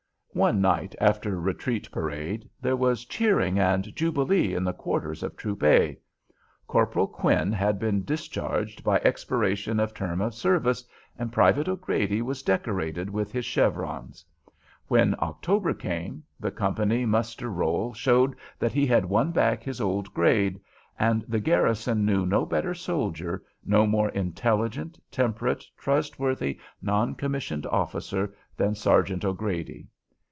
One night, after retreat parade, there was cheering and jubilee in the quarters of Troop "A." Corporal Quinn had been discharged by expiration of term of service, and Private O'Grady was decorated with his chevrons. When October came, the company muster roll showed that he had won back his old grade; and the garrison knew no better soldier, no more intelligent, temperate, trustworthy non commissioned officer, than Sergeant O'Grady.